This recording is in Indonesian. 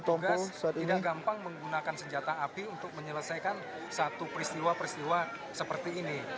petugas tidak gampang menggunakan senjata api untuk menyelesaikan satu peristiwa peristiwa seperti ini